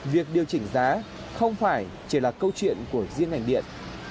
việc điều chỉnh giá không phải chỉ là câu chuyện của riêng ngành điện